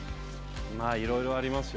まあいろいろありますよ。